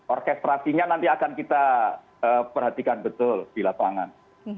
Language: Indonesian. orkestrasinya nanti akan kita perhatikan betul di lapangan